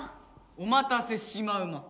おまたせしまうま！